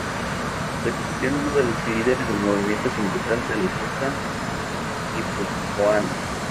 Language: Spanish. Se convirtió en uno de los líderes del movimiento sindical de la costa guipuzcoana.